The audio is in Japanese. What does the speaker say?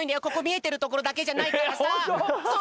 ここみえてるところだけじゃないからさ。